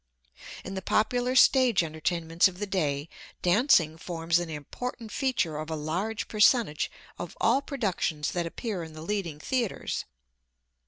In the popular stage entertainments of the day dancing forms an important feature of a large percentage of all productions that appear in the leading theatres.